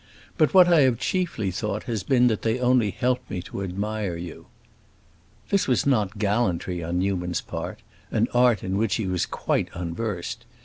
But what I have chiefly thought has been that they only helped me to admire you." This was not gallantry on Newman's part—an art in which he was quite unversed.